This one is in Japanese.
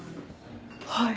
はい。